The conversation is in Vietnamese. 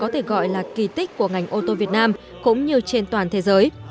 nên một dự án có thể gọi là kỳ tích của ngành ô tô việt nam cũng như trên toàn thế giới